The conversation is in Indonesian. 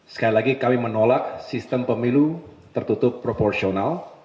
sekali lagi kami menolak sistem pemilu tertutup proporsional